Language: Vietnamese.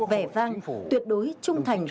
vẻ vang tuyệt đối trung thành